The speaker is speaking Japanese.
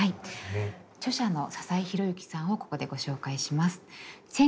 著者の笹井宏之さんをここでご紹介します。